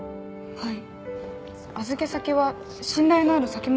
はい。